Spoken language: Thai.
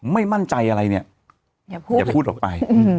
ไม่มั่นใจอะไรเนี่ยอย่าพูดออกไป